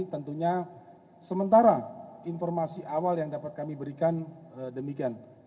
tentunya sementara informasi awal yang dapat kami berikan demikian